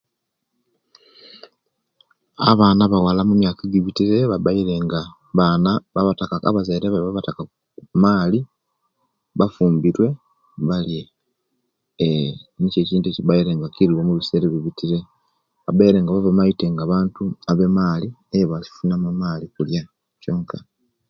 Abaana abawala emumiyaka ejibitire babire nga baana babataku abazaire bawe babatakaku maali bafumbirwe baliya eee nikyo ekintu ekibaire nga kiriwo mubisera ejibitire babire nga babamaite nga abantu abemaali ebafunamu emaali okulyaa kyonka.